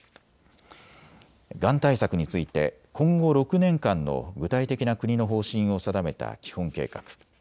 がん対策について今後６年間の具体的な国の方針を定めた基本計画。